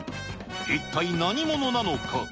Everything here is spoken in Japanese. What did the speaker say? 一体何者なのか。